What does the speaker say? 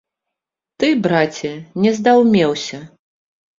Ты, браце, не здаўмеўся.